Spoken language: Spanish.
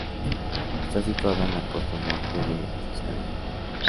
Está situada en la costa norte de Toscana.